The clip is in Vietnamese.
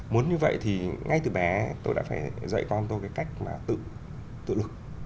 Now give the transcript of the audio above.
muốn như vậy thì ngay từ bé tôi đã phải dạy con tôi cái cách mà tự tự lực